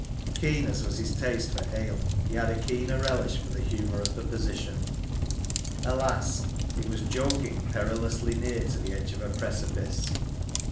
Keen as was his taste for ale, he had a keener relish for the humour of the position. Alas ! it was joking perilously near to the edge of a precipice.